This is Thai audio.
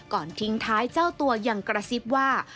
ทิ้งท้ายเจ้าตัวยังกระซิบว่า